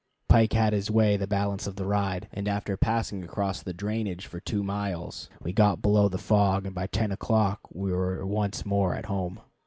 Pike had his way the balance of the ride, and after passing across the drainage for two miles we got below the fog, and by ten o'clock we were once more at home.